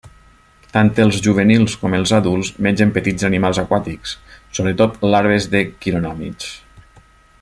Tant els juvenils com els adults mengen petits animals aquàtics, sobretot larves de quironòmids.